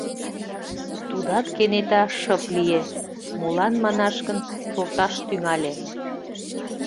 Тудат кенета шып лие, молан манаш гын шорташ тӱҥале…